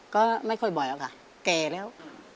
ก็ไม่ค่อยบ่อยแล้วค่ะแก่แล้ว